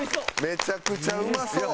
めちゃくちゃうまそう！